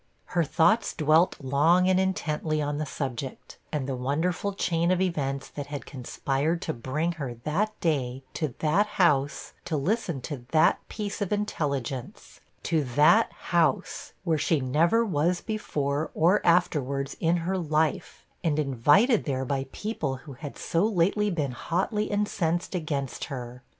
Her thoughts dwelt long and intently on the subject, and the wonderful chain of events that had conspired to bring her that day to that house, to listen to that piece of intelligence to that house, where she never was before or afterwards in her life, and invited there by people who had so lately been hotly incensed against her.